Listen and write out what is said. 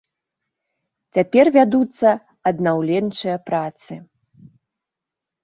Цяпер вядуцца аднаўленчыя працы.